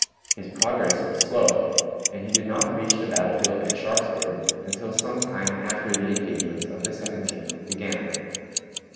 His progress was slow, and he did not reach the battle field at Sharpsburg until some time after the engagement of the 17th began.